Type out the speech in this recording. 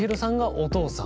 お父さん。